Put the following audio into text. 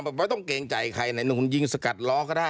ไม่ต้องเกรงใจใครไหนหนุ่มยิงสกัดล้อก็ได้